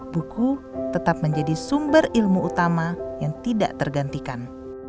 buku tetap menjadi sumber ilmu utama yang tidak tergantikan